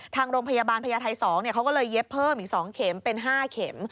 ทางโรงพยาบาลพญาไทย๒เขาก็เลยเย็บเพิ่มอีก๒เข็มเป็น๕เข็ม